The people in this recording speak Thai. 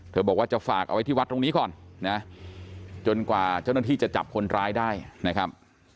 บอกว่าจะฝากเอาไว้ที่วัดตรงนี้ก่อนนะจนกว่าเจ้าหน้าที่จะจับคนร้ายได้นะครับ